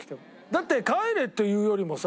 だって「帰れ」って言うよりもさ